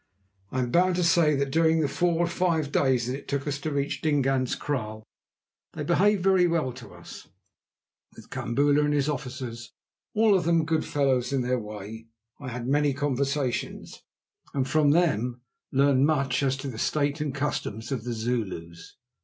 I am bound to say that during the four or five days that it took us to reach Dingaan's kraal they behaved very well to us. With Kambula and his officers, all of them good fellows in their way, I had many conversations, and from them learned much as to the state and customs of the Zulus.